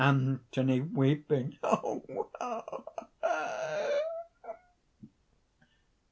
ANTHONY (weeping).